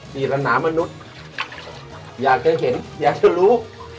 สี่ละน้ำมนุษย์อยากจะเห็นอยากจะรู้